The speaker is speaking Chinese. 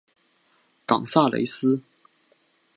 冈萨雷斯。